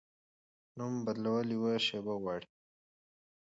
نوم بدول یوه شیبه غواړي.